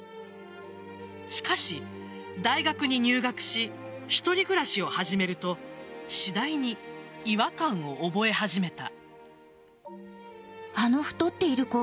しかし、大学に入学し一人暮らしを始めると次第に違和感を覚え始めた。